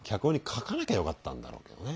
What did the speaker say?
書かなきゃよかったんだろうけどね。